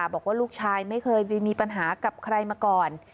บอกว่าลูกชายไม่เคยมีปัญหากับใครมาก่อน